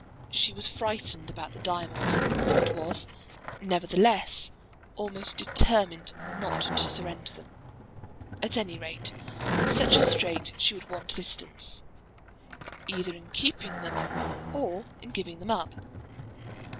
She was frightened about the diamonds, and was, nevertheless, almost determined not to surrender them. At any rate, in such a strait she would want assistance, either in keeping them or in giving them up.